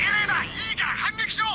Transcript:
いいから反撃しろ！